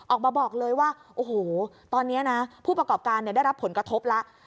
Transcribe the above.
ออกมาบอกเลยว่าโอ้โหตอนนี้นะผู้ประกอบการได้รับผลกระทบแล้ว